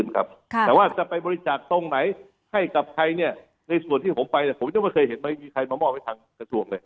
ใครกับใครเนี่ยในส่วนที่ผมไปเนี่ยผมยังไม่เคยเห็นมีใครมามอบไว้ทางตะสวมเลย